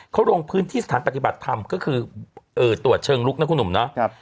เขาลงพื้นที่สถานปฏิบัติธรรมก็คือตรวจเชิงลุกนะคุณหนุ่มเนาะ